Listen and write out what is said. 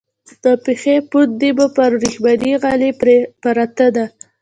د پښې پونډۍ مو پر ورېښمینې غالی پرته ده.